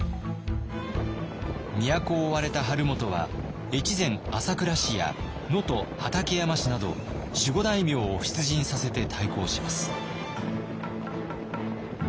都を追われた晴元は越前朝倉氏や能登畠山氏など守護大名を出陣させて対抗します。